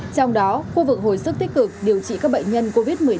trong đó khu vực hồi sức tích cực điều trị các bệnh nhân covid một mươi chín